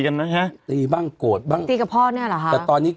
คนอีกหลานลากใช่ไหม